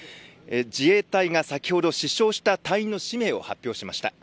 自衛隊が先ほど死傷した隊員の氏名を発表しました。